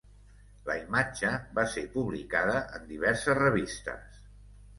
La imatge va ser publicada en diverses revistes.